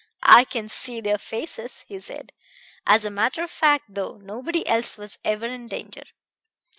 "I can see their faces!" he said. "As a matter of fact, though, nobody else was ever in danger.